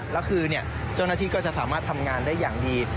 แล้วคือเจ้าหน้าที่ก็จะสามารถทำงานได้อย่างดี